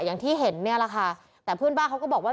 อย่างที่เห็นเนี่ยแหละค่ะแต่เพื่อนบ้านเขาก็บอกว่า